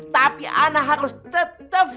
tapi anak harus tetep